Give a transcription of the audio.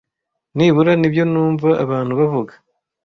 nibura nibyo numva abantu bavuga